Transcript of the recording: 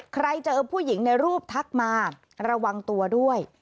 เจอผู้หญิงในรูปทักมาระวังตัวด้วย